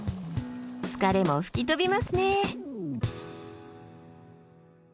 疲れも吹き飛びますね。